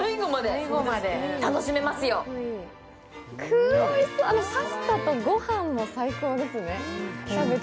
く、おいしそう、パスタとご飯も最高ですね。